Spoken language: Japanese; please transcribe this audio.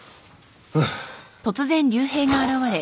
うん。